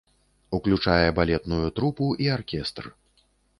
Уключае балетную трупу і аркестр.